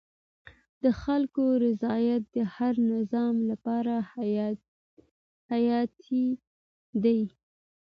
د خلکو رضایت د هر نظام لپاره حیاتي دی